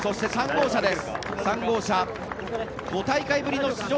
３号車、５大会ぶりの出場